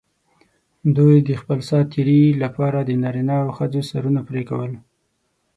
دوی د خپل سات تېري لپاره د نارینه او ښځو سرونه پرې کول.